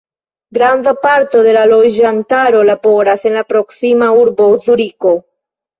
Granda parto de la loĝantaro laboras en la proksima urbo Zuriko.